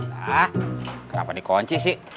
hah kenapa dikunci sih